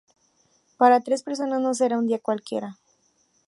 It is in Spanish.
Para tres personas no será un día cualquiera.